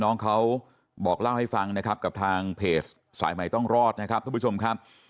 น้องเขาบอกเล่าให้ฟังนะครับกับทางเพจสายใหม่ต้องรอดนะครับทุกผู้ชมครับ